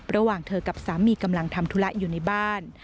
ระหว่างเธอกับสามีกำลังทำธุระอยู่ในบ้าน